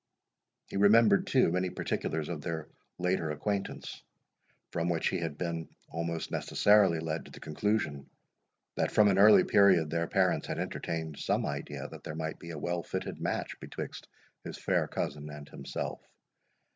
He remembered, too, many particulars of their later acquaintance, from which he had been almost necessarily led to the conclusion, that from an early period their parents had entertained some idea, that there might be a well fitted match betwixt his fair cousin and himself.